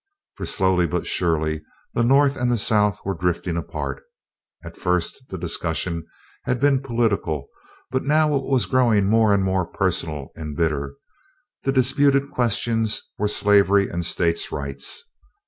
For slowly but surely the North and the South were drifting apart. At first the discussion had been political, but now it was growing more and more personal and bitter. The disputed questions were slavery and States' Rights.